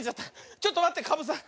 ちょっとまってかぶさん！